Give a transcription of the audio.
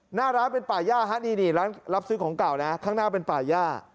หน้าร้านเป็นป่าย่าฮะนี่ร้านรับซื้อของเก่านะข้างหน้าเป็นป่าย่า